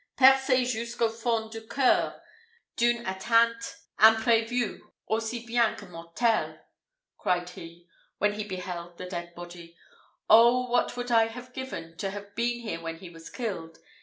"'Percé jusqu'au fond du c[oe]ur D'une atteinte imprévue, aussi bien que mortelle,'" cried he, when he beheld the dead body. "Oh what would I have given to have been here when he was killed.